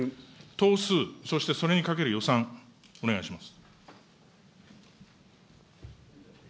棟数、そしてそれにかける予算、お願いします。